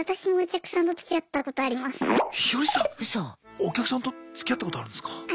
お客さんとつきあったことあるんですか？